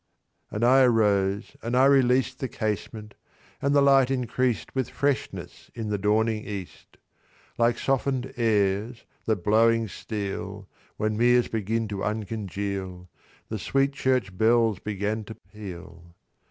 And I arose, and I released The casement, and the light increased With freshness in the dawning east. Like soften'd airs that blowing steal, When meres begin to uncongeal, The sweet church bells began to peal.